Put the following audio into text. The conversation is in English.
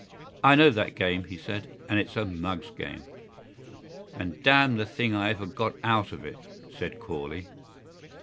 "I know that game," he said, "and it's a mug's game." "And damn the thing I ever got out of it," said Corley.